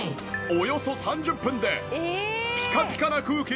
およそ３０分でピカピカな空気に入れ替わり。